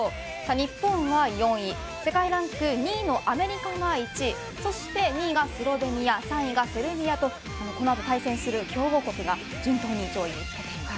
日本は４位世界ランク２位のアメリカは１位２位がスロベニア３位がセルビアとこの後、対戦する強豪国が順当に上位につけています。